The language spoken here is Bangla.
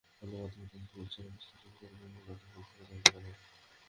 গণমাধ্যম তাঁদের চুলচেরা বিশ্লেষণ করবে এবং জনগণ তাঁদের সম্পর্কে জানতে পারবে।